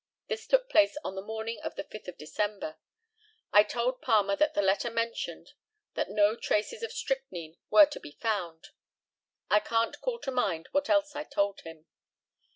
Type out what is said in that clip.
This took place on the morning of the 5th of December. I told Palmer that the letter mentioned that no traces of strychnine were to be found. I can't call to mind what else I told him.